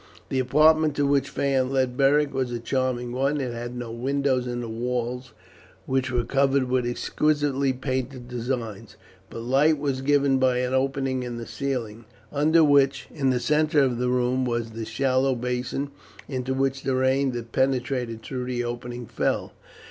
The apartment to which Phaon led Beric was a charming one. It had no windows in the walls, which were covered with exquisitely painted designs, but light was given by an opening in the ceiling, under which, in the centre of the room, was the shallow basin into which the rain that penetrated through the opening fell.